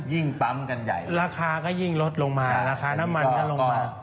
ยิ่งปั๊มกันใหญ่ราคาก็ยิ่งลดลงมาราคาน้ำมันก็ลงมา